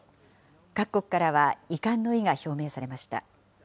各国からは遺憾の意が表明されました。